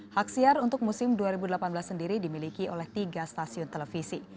hak siar untuk musim dua ribu delapan belas sendiri dimiliki oleh tiga stasiun televisi